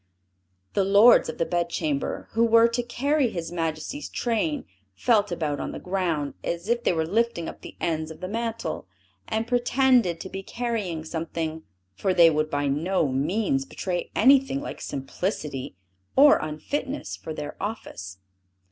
The lords of the bedchamber, who were to carry his Majesty's train felt about on the ground, as if they were lifting up the ends of the mantle; and pretended to be carrying something; for they would by no means betray anything like simplicity, or unfitness for their office.